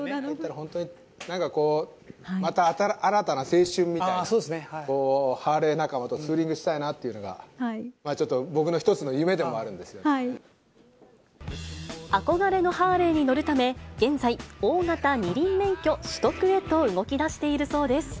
本当になんかこう、また新たな青春みたいな、ハーレー仲間とツーリングしたいなっていうのが、ちょっと、憧れのハーレーに乗るため、現在、大型二輪免許取得へと動きだしているそうです。